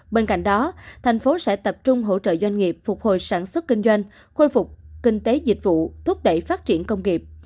bên cạnh đó thành phố sẽ tập trung hỗ trợ doanh nghiệp phục hồi sản xuất kinh doanh khôi phục kinh tế dịch vụ thúc đẩy phát triển công nghiệp